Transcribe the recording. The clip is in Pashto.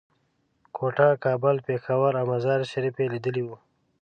کوټه، کابل، پېښور او مزار شریف یې لیدلي وو.